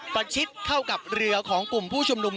ประชิดเข้ากับเรือของกลุ่มผู้ชุมนุม